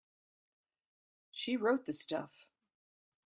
She wrote the stuff.